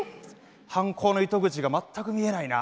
犯行の糸口が全く見えないな。